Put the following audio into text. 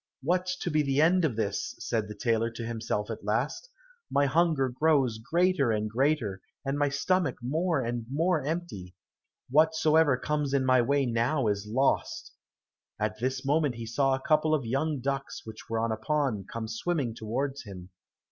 "What's to be the end of this?" said the tailor to himself at last, "my hunger grows greater and greater, and my stomach more and more empty. Whatsoever comes in my way now is lost." At this moment he saw a couple of young ducks which were on a pond come swimming towards him.